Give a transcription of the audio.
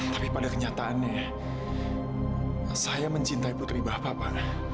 tapi pada kenyataannya saya mencintai putri bapak pak